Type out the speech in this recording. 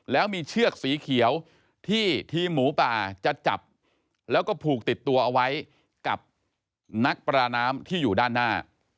แล้วมีเชือกสีเขียวที่ทีมหมูป่าจะจับแล้วก็ผูกติดตัวเอาไว้กับนักประดาน้ำที่อยู่ด้านหน้า